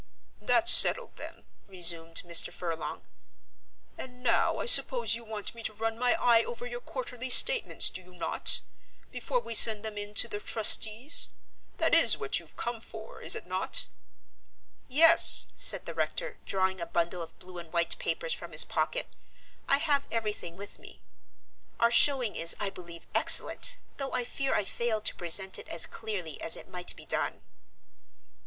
"That's settled then," resumed Mr. Furlong; "and now I suppose you want me to run my eye over your quarterly statements, do you not, before we send them in to the trustees? That is what you've come for, is it not?" "Yes," said the rector, drawing a bundle of blue and white papers from his pocket. "I have everything with me. Our showing is, I believe, excellent, though I fear I fail to present it as clearly as it might be done."